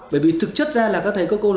bởi vì thực chất ra là các thầy cô cô